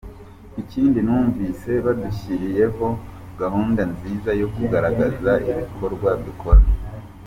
Ikindi numvise badushyiriyeho gahunda nziza yo kugaragaza ibikorwa dukora.